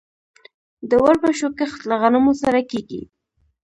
د وربشو کښت له غنمو سره کیږي.